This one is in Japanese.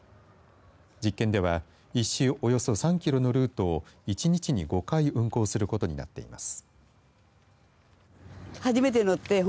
実験では１周およそ３キロのルートを１日に５回運行することになっています。